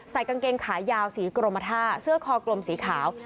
กางเกงขายาวสีกรมท่าเสื้อคอกลมสีขาว